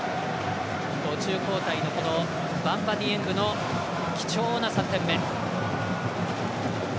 途中交代のバンバ・ディエングの貴重な３点目。